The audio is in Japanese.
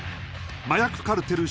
麻薬カルテル